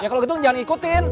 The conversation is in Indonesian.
ya kalau gitu jangan ikutin